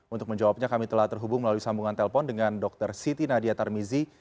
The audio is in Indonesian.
untuk menjawabnya kami telah terhubung melalui sambungan telpon dengan dr siti nadia tarmizi